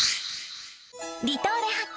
「離島で発見！